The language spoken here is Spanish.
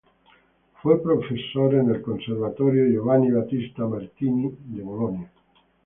Fue profesor en el Conservatorio Giovanni Battista Martini de Bolonia.